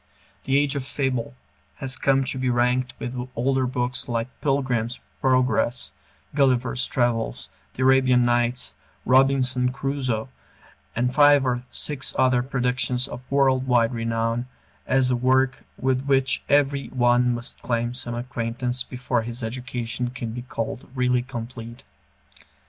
"The Age of Fable" has come to be ranked with older books like "Pilgrim's Progress," "Gulliver's Travels," "The Arabian Nights," "Robinson Crusoe," and five or six other productions of world wide renown as a work with which every one must claim some acquaintance before his education can be called really complete.